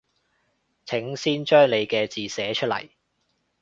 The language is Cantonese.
請先將你嘅字寫出來